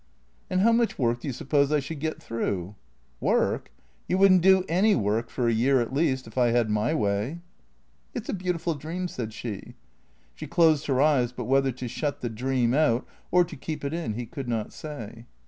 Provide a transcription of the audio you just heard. " And how much work do you suppose I should get through ?"" Work ? You would n't do any work for a year at least — if I had my way." " It 's a beautiful dream," said she. She closed her eyes, but whether to shut the dream out or to keep it in he could not say.